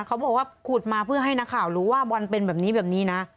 เขาบอกว่าขุดมาเพื่อให้นักข่าวรู้ว่าบอลเป็นแบบนี้แบบนี้นะ